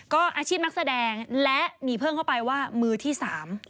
ก็อาชีพนักแสดงและมีเพิ่มเข้าไปว่ามือที่สาม